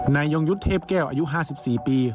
ยงยุทธ์เทพแก้วอายุ๕๔ปี